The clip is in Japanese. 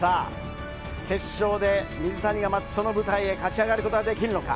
決勝で水谷が待つその舞台へ勝ち上がることはできるのか。